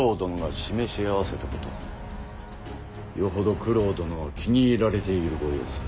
よほど九郎殿は気に入られているご様子。